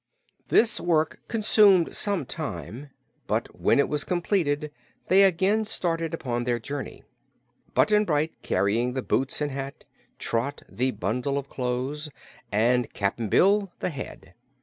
This work consumed some time, but when it was completed they again started upon their journey, Button Bright carrying the boots and hat, Trot the bundle of clothes, and Cap'n Bill the head.